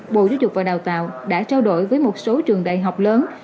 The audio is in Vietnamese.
bộ dục đào tạo đã trao đổi với một số trường đại học lớn